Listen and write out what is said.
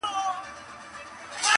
دا کيسه د ټولنې ژور نقد دی او فکر اړوي,